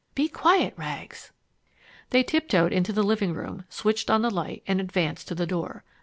Be quiet, Rags!" They tiptoed into the living room, switched on the light, and advanced to the door.